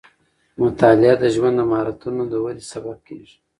مطالعه د ژوند د مهارتونو ودې سبب کېږي.